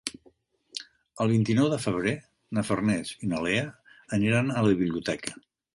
El vint-i-nou de febrer na Farners i na Lea aniran a la biblioteca.